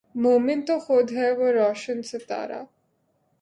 مومن تو خود ھے وہ روشن ستارا